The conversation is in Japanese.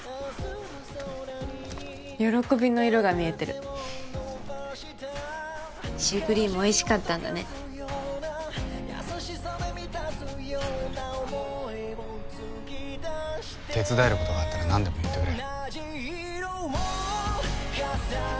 「喜び」の色が見えてるシュークリームおいしかったんだね手伝えることがあったら何でも言ってくれ。